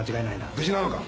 無事なのか？